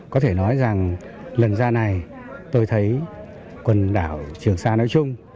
có thể nói rằng lần ra này tôi thấy quần đảo trường sa nói chung